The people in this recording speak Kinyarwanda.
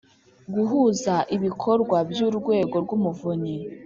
guhuza ibikorwa by’urwego rw’umuvunyi